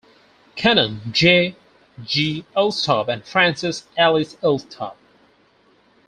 Canon J. G. Elstob and Frances Alice Elstob.